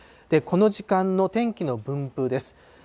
この時間の天気の分布です。